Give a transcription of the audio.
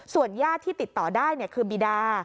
ส่วนญาติที่ติดต่อได้คือบีดา